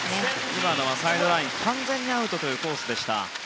今のはサイドライン完全にアウトのコースでした。